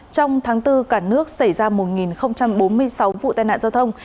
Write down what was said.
trong tháng bốn cả nước xảy ra một bốn mươi sáu vụ tai nạn giao thông